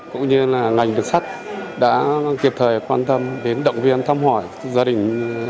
cũng như là ngành đường sắt đã kịp thời quan tâm đến động viên thăm hỏi gia đình